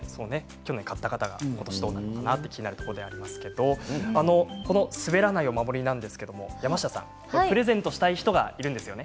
去年買った方が今年どうなのかなと気になるところですけれどこの滑らないお守りなんですけど山下さん、プレゼントしたい人がいるんですよね。